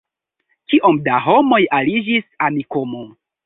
Kiom da homoj aliĝis al Amikumu?